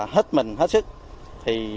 hết mình hết sức thì